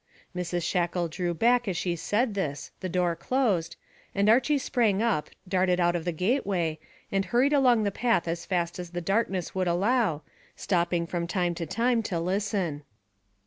Mrs Shackle drew back as she said this, the door closed, and Archy sprang up, darted out of the gateway, and hurried along the path as fast as the darkness would allow, stopping from time to time to listen.